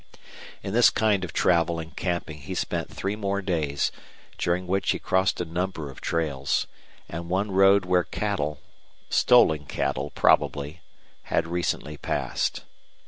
In this kind of travel and camping he spent three more days, during which he crossed a number of trails, and one road where cattle stolen cattle, probably had recently passed.